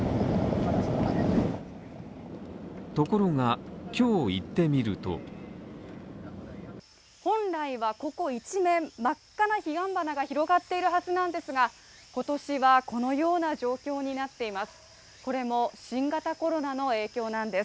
ところが、今日行ってみると本来はここ一面、真っ赤な彼岸花が広がっているはずなんですが、今年はこのような状況になっています。